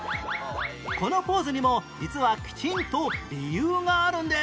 このポーズにも実はきちんと理由があるんです